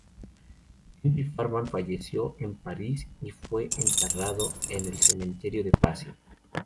Henry Farman falleció en París y fue enterrado en el Cementerio de Passy.